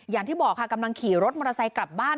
อย่างที่บอกค่ะกำลังขี่รถมอเตอร์ไซค์กลับบ้าน